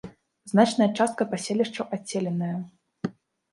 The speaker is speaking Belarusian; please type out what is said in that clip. Значная частка паселішчаў адселеныя.